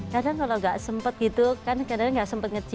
kadang kalau gak sempet gitu kan kadangnya gak sempet nge gym